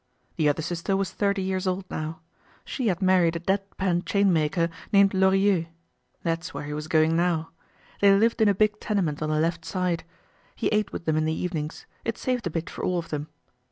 The other sister was thirty years old now. She had married a deadpan chainmaker named Lorilleux. That's where he was going now. They lived in a big tenement on the left side. He ate with them in the evenings; it saved a bit for all of them.